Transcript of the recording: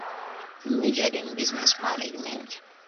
He majored in business management.